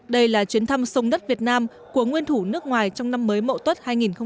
đây là chuyến thăm sông đất việt nam của nguyên thủ nước ngoài trong năm mới mộ tuất hai nghìn một mươi tám